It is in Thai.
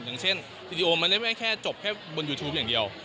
อย่างเช่นวีดีโอมันไม่ได้แค่จบแค่บนยูทูปอย่างเดียว